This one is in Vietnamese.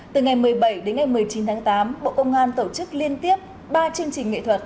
từ ngày một mươi bảy đến ngày một mươi chín tháng tám bộ công an tổ chức liên tiếp ba chương trình nghệ thuật